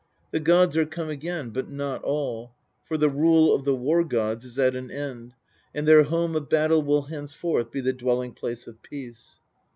The gods are come again, but not all, for the rule of the war gods is at an end, and their home of battle will henceforth be the dwelling place of peace.